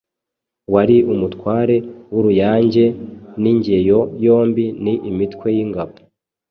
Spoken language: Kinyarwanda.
wari umutware w’Uruyange n’Ingeyo yombi ni imitwe y’ingabo,